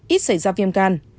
ít xảy ra viêm gan